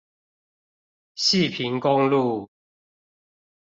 汐平公路